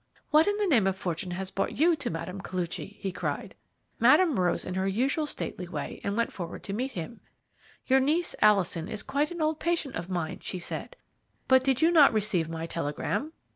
"'What in the name of fortune has brought you to Mme. Koluchy?' he cried. "Madame rose in her usual stately way and went forward to meet him. "'Your niece, Alison, is quite an old patient of mine,' she said; 'but did you not receive my telegram?'